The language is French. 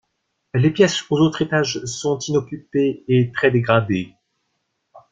Les pièces aux autres étages sont inoccupées et très dégradées.